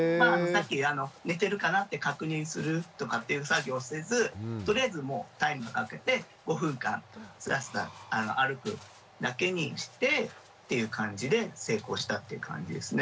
さっきあの寝てるかなって確認するとかっていう作業をせずとりあえずタイムかけて５分間すたすた歩くだけにしてっていう感じで成功したという感じですね。